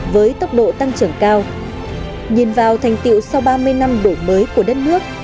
với tốc độ tăng trưởng cao nhìn vào thành tiệu sau ba mươi năm đổi mới của đất nước